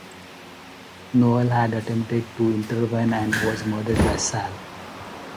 Noel had attempted to intervene and was murdered by Sal.